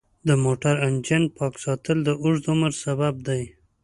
د موټر انجن پاک ساتل د اوږده عمر سبب دی.